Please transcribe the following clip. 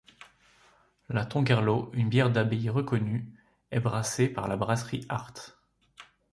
La Tongerlo, une bière d'abbaye reconnue, est brassée par la brasserie Haacht.